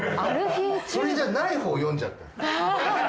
それじゃないほう読んじゃった。